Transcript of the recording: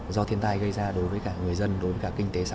đã trong tình trạng tan hoang như thế này